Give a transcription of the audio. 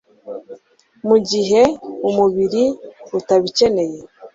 mu gihe umubiri utabikeneye